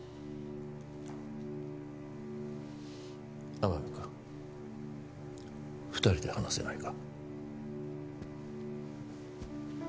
天海君二人で話せないか？